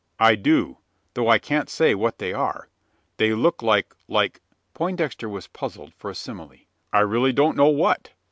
"I do though I can't say what they are. They look like like " Poindexter was puzzled for a simile "I really don't know what."